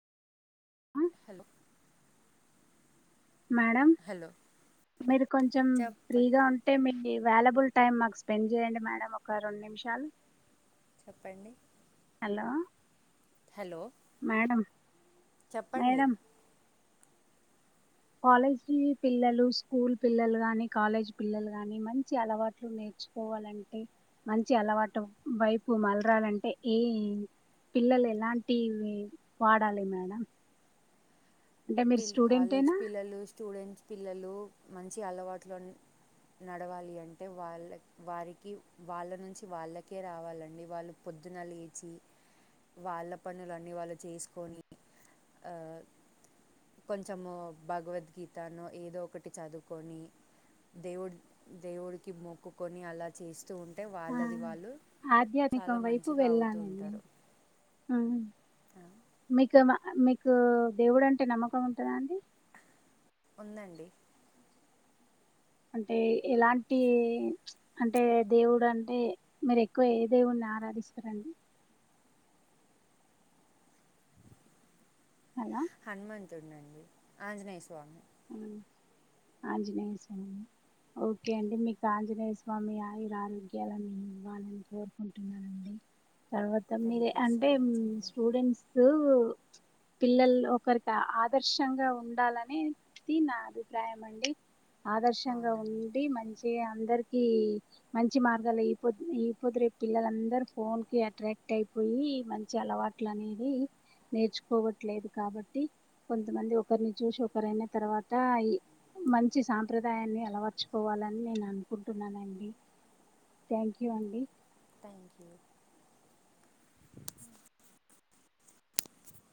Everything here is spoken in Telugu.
ఆ, హలో మేడం హలో మీరు కొంచెం చెప్ప ఫ్రీగా ఉంటే మీ ఈ వ్యాలబుల్ టైమ్ మాకు స్పెండ్ చేయండి. మేడం ఒక రెండు నిమిషాలు చెప్పండి హలో హలో మేడం చెప్పండి మేడం కాలేజీ పిల్లలు స్కూల్ పిల్లలు గాని కాలేజీ పిల్లలు గాని మంచి అలవాట్లు నేర్ మర్చుకోవాలంటే మంచి అలవాటు వైపు మలరాలంటే ఏ పిల్లలు ఎలాంటి వాడాలి మేడం అంటే మీరు పిల్ కాలేజ్ స్టూడెంటేనా పిల్లలు స్టూడెంట్స్ పిల్లలు మంచి అలవాట్లోని నడవాలి అంటే వాళ్ళ వారికి వాళ్ళ నుంచి వాళ్ళకే రావాలండి వాళ్ళు పొ పొద్దున లేచి వాళ్ళ పనులు అన్ని వాళ్ళు చేసుకొని ఆ కొంచం భగవత్ గీతను ఏదో ఒకటి చదువుకొని దేవుడు దేవుడికి మొక్కుకొని అలా చేస్తూ ఉంటే వాళ్ళది వాళ్ళు ఆధ్యాత్నికం చాలా వైపు మంచిగా అవుతూ వెళ్ళాలి అండి ఉంటారు మీకు మా మీకు దేవుడు అంటే నమ్మకం ఉంటుందా అండి ఉందండి అంటే ఎలాంటి అంటే దేవుడు అంటే మీరు ఎక్కువ ఏ దేవున్ని నారా ఇష్టం అండి అలా హనుమంతుడు అండి ఆంజనేయ స్వామి ఆంజనేయ స్వామి ఓకే అండి మీకు ఆంజనేయ స్వామి ఆయుర్ ఆరోగ్యాలను ఇవ్వాలని కోరుకుంటున్నానండి తర్వాత మీరే థ్యాంక్ యూ సో అంటే మచ్ అండి స్టూడెంట్స్ పిల్లలు ఒకరికి ఆదర్శంగా ఉండాలని నా అభిప్రాయం అండి ఆదర్శంగా అవునండి ఉండి మంచిగా అందరికి మంచి మార్గాలు ఈ పొద్దు అపోద్దు రేపు పిల్లలందరూ ఫోన్ కి అట్రాక్ట్ అయిపో పోయి మంచి అలవాట్లు అనేవి నేర్చుకోవట్లేదు కాబట్టి కొంతమంది ఒకరిని చూసి ఒకరైన తర్వాత మంచి సాంప్రదాయాన్ని అలవరచుకోవాలని నేను అనుకుంటున్నానండి థ్యాంక్ యూ అండి థ్యాంక్ యూ